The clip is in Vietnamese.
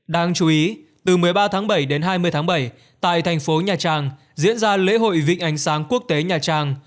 đáng chú ý từ một mươi ba tháng bảy đến hai mươi tháng bảy tại tp nha trang diễn ra lễ hội vịnh ánh sáng quốc tế nha trang